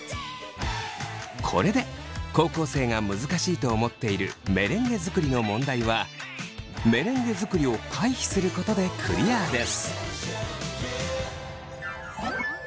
これで高校生が難しいと思っているメレンゲ作りの問題はメレンゲ作りを回避することでクリアです。